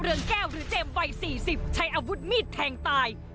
เรื่องนี้เกิดอะไรขึ้นไปเจาะลึกประเด็นร้อนจากรายงานค่ะ